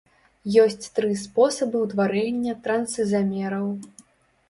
Ёсць тры спосабы ўтварэння трансізамераў.